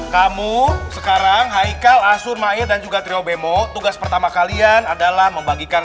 kamu sekarang hai kalah surmaid dan juga trio bemo tugas pertama kalian adalah membagikan